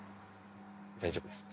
大丈夫ですね。